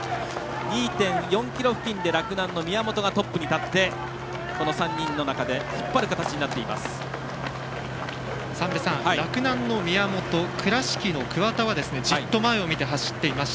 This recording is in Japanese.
２．４ｋｍ付近で、洛南の宮本がトップに立って３人の中で引っ張る形になっています。